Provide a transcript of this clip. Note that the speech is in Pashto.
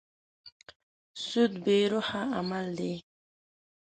سود بې روحه عمل دی.